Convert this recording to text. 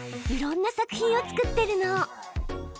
いろんな作品を作ってるの！